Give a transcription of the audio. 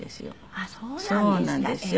あっそうなんですか。